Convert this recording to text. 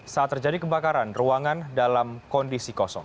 saat terjadi kebakaran ruangan dalam kondisi kosong